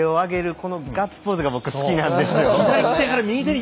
このガッツポーズが僕好きなんですよ。